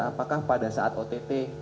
apakah pada saat ott